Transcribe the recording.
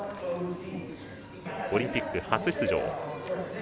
オリンピック初出場。